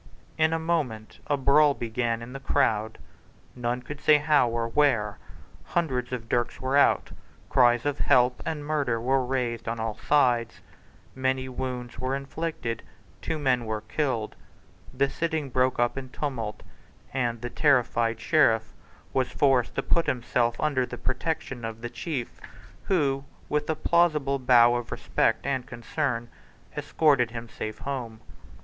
In a moment a brawl began in the crowd, none could say how or where. Hundreds of dirks were out: cries of "Help" and "Murder" were raised on all sides: many wounds were inflicted: two men were killed: the sitting broke up in tumult; and the terrified Sheriff was forced to put himself under the protection of the chief, who, with a plausible bow of respect and concern, escorted him safe home.